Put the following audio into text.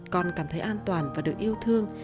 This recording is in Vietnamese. con cảm thấy an toàn và được yêu thương